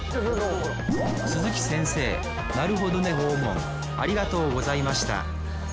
鈴木先生なるほどね訪問ありがとうございました